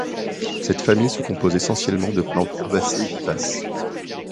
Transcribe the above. Cette famille se compose essentiellement de plantes herbacées vivaces.